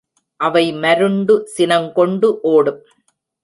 அவை மருண்டு சினங்கொண்டு ஓடும்.